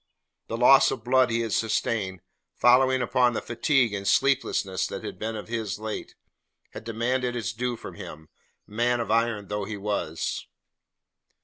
The loss of blood he had sustained, following upon the fatigue and sleeplessness that had been his of late, had demanded its due from him, man of iron though he was.